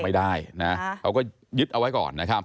ไม่ได้เราก็ยึดเอาไว้ก่อน